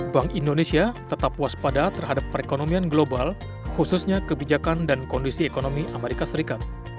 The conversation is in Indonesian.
bank indonesia tetap waspada terhadap perekonomian global khususnya kebijakan dan kondisi ekonomi amerika serikat